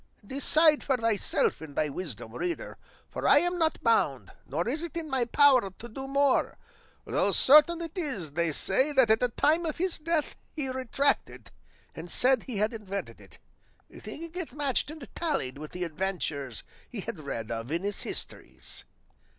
Decide for thyself in thy wisdom, reader; for I am not bound, nor is it in my power, to do more; though certain it is they say that at the time of his death he retracted, and said he had invented it, thinking it matched and tallied with the adventures he had read of in his histories."